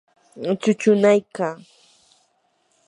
chuchunaykaa.